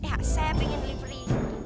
ya saya pengen beli beli